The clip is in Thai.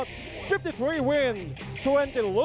คนนี้มาจากอำเภออูทองจังหวัดสุภัณฑ์บุรีนะครับ